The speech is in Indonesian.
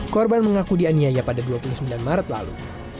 korban mengaku dianiaya pada dua puluh sembilan maret lalu